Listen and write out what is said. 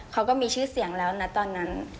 เขาก็มีชื่อเสียงแล้วนะตอนนั้น